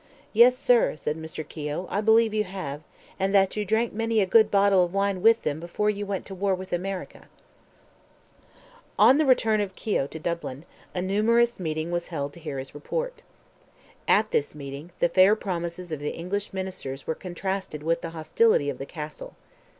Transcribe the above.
"Yes, sir," said Mr. Keogh, "I believe you have; and that you drank many a good bottle of wine with them before you went to war with America." On the return of Keogh to Dublin, a numerous meeting was held to hear his report. At this meeting, the fair promises of the English ministers were contrasted with the hostility of the Castle.